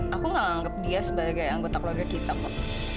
aku nggak anggap dia sebagai anggota keluarga kita pak